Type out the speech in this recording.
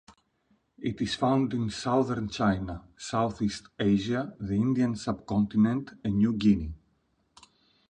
It is found in southern China, Southeast Asia, the Indian subcontinent, and New Guinea.